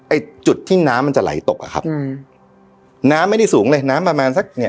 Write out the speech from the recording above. ไอ้จุดที่น้ำมันจะไหลตกอะครับอืมน้ำไม่ได้สูงเลยน้ำประมาณสักเนี่ย